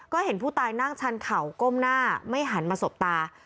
ก็เห็นผู้ตายนั่งชันเข่าก้มหน้าไม่หันมาสบตา